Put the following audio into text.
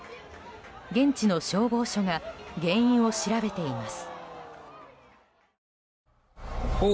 現地の消防署が原因を調べています。